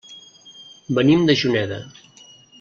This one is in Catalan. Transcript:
Venim de Juneda.